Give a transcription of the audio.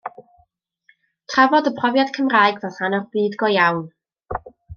Trafod y profiad Cymraeg fel rhan o'r byd go-iawn.